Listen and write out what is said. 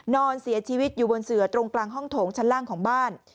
นอนเสียชีวิตอยู่บนเสือตรงกลางห้องโถงชั้นล่างของบ้าน